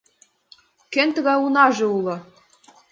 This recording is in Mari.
Кӧн тыгай унаже уло?!